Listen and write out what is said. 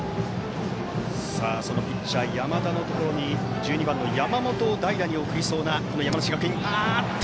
ピッチャー山田のところで１２番の山本を代打に送りそうな山梨学院。